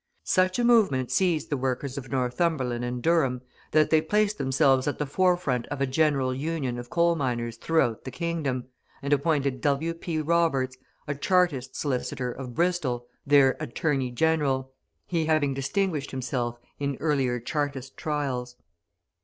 Such a movement seized the workers of Northumberland and Durham that they placed themselves at the forefront of a general Union of coal miners throughout the kingdom, and appointed W. P. Roberts, a Chartist solicitor, of Bristol, their "Attorney General," he having distinguished himself in earlier Chartist trials.